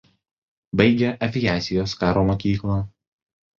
Baigė aviacijos karo mokyklą.